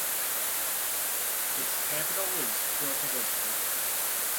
Its capital is Port Elizabeth.